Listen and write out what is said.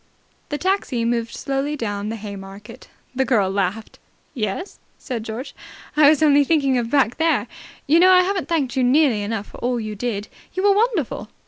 The taxi moved slowly down the Haymarket. The girl laughed. "Yes?" said George. "I was only thinking of back there. You know, I haven't thanked you nearly enough for all you did. You were wonderful."